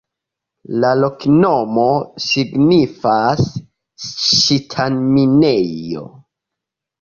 La loknomo signifas: ŝtonminejo.